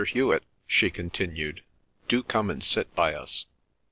Hewet," she continued, "do come and sit by us.